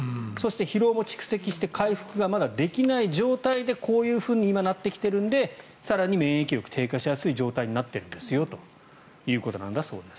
そして疲労も蓄積して回復がまだできない状態でこういうふうに今、なってきているので更に免疫力が低下しやすい状態になっているんですよということなんだそうです。